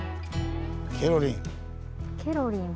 「ケロリン」。